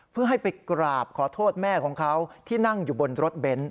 เพื่อให้ไปกราบขอโทษแม่ของเขาที่นั่งอยู่บนรถเบนท์